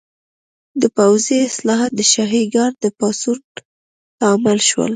د پوځي اصلاحات د شاهي ګارډ د پاڅون لامل شول.